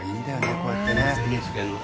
こうやってね。